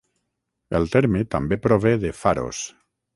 El terme també prové de "Pharos".